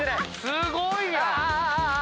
すごいやん！